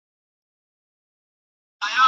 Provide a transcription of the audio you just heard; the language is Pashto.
هغه خپل مخ په یخو اوبو سره ښه ومینځه.